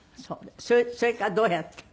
それからどうやって？